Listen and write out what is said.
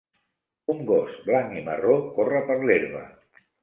Un gos blanc i marró corre per l'herba.